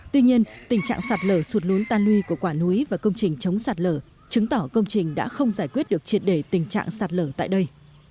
tuy nhiên tình trạng sạt lở sụt lún tan luy của quả núi và công trình chống sạt lở chứng tỏ công trình đã không giải quyết được triệt đề tình trạng sạt lở tại đây